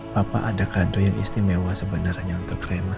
papa ada kado yang istimewa sebenarnya untuk rema